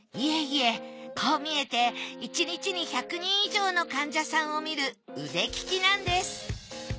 いえいえこう見えて１日に１００人以上の患者さんを診る腕利きなんです。